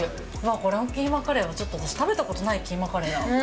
これ、キーマカレー、私ちょっと食べたことないキーマカレーだ。